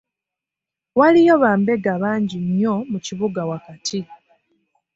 Waliyo bambega bangi nnyo mu kibuga wakati.